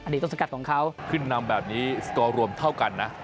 ต้นสกัดของเขาขึ้นนำแบบนี้สกอร์รวมเท่ากันนะ